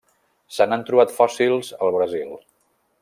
Se n'han trobat fòssils al Brasil.